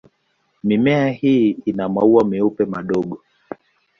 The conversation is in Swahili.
Mimea hii ina maua meupe madogo.